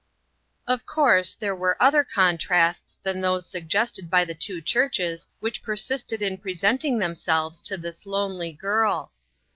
OF course there were other contrasts than those suggested by the two churches which persisted in presenting themselves to this lonely girl.